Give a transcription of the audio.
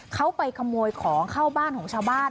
เขาไปขโมยของเข้าบ้านของชาวบ้าน